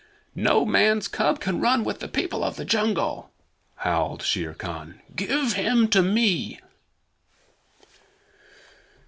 "No man's cub can run with the people of the jungle," howled Shere Khan. "Give him to me!"